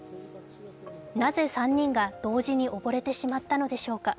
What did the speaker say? なぜ３人が同時に溺れてしまったのでしょうか。